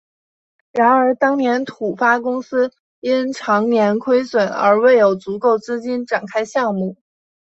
然而当年土发公司因长年亏损而未有足够资金展开项目。